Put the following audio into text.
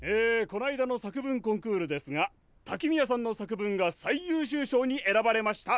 こないだの作文コンクールですが滝宮さんの作文が最優秀賞に選ばれました。